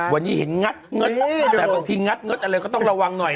วันนี้เห็นงัดเงืนแต่พอช้างองที่งัดเงืนอันเลยก็ต้องระวังหน่อย